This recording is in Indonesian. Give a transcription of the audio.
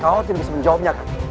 kau tidak bisa menjawabnya